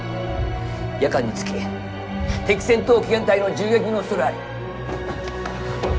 夜間につき敵戦闘機編隊の銃撃のおそれあり。